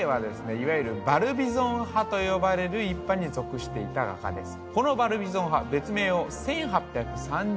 いわゆるバルビゾン派と呼ばれる一派に属していた画家です